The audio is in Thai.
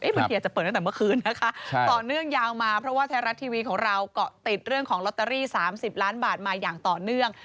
บางทีอาจจะเปิดตั้งแต่เมื่อคืนนะคะต่อเนื่องยาวมาเพราะว่าไทยรัฐทีวีของเราเกาะติดเรื่องของลอตเตอรี่๓๐ล้านบาทมาอย่างต่อเนื่อง